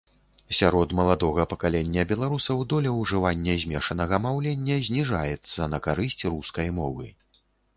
Сярод маладога пакалення беларусаў доля ўжывання змешанага маўлення зніжаецца на карысць рускай мовы.